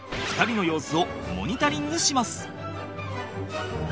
２人の様子をモニタリングします。